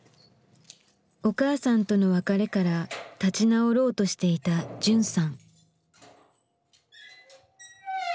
お母さんとの別れから立ち直ろうとしていたじゅんさん。